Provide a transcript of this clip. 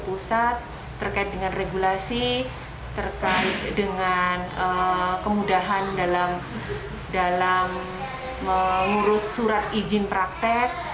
pusat terkait dengan regulasi terkait dengan kemudahan dalam mengurus surat izin praktek